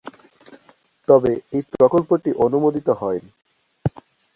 তবে এই প্রকল্পটি অনুমোদিত হয়নি।